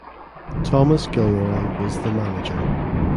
Thomas Gilroy was the manager.